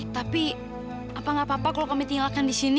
tapi apa nggak apa apa kalau kami tinggalkan di sini